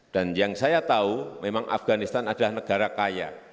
dan yang saya tahu memang afganistan adalah negara kaya